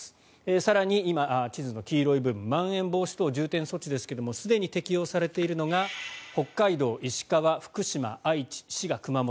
更に今、地図の黄色い部分まん延防止等重点措置ですけれどすでに適用されているのが北海道、石川、福島、愛知滋賀、熊本。